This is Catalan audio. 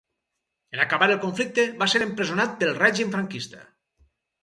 En acabar el conflicte va ser empresonat pel règim Franquista.